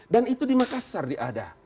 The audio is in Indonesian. dan itu di makassar di ada